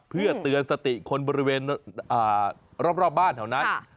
เพื่อเตือนสติคนบริเวณรอบบ้านแถวนั้น